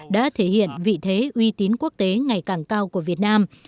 đã thể hiện vị thế uy tín quốc tế ngày càng cao của việt nam